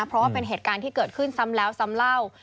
เพราะว่าเป็นเหตุการณ์ที่เกิดขึ้นซ้ำแล้วซ้ำเล่า